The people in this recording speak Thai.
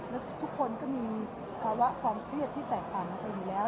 แล้วทุกคนก็มีภาวะความเครียดที่แตกต่างกันไปอยู่แล้ว